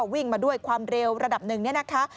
ม้าวิ่งมาด้วยความเร็วระดับหนึ่งนะคะ